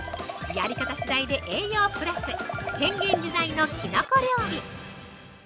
やり方次第で栄養プラス変幻自在のきのこ料理。